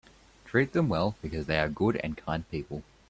Treat them well because they are good and kind people.